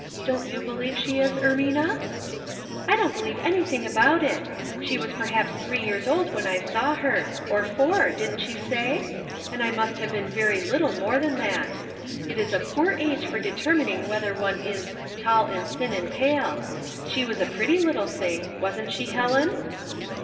"Don't you believe she is, Ermina?'' "I don't believe anything about it. She was perhaps three years old when I saw her ; or four, didn't she say ? and I must have been very little more than that. It is a poor age for de termining whether one is, ' tail and thin and pale.' She was a pretty little thing; wasn't she, Helen